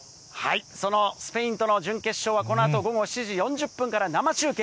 そのスペインとの準決勝は、このあと午後７時４０分から生中継。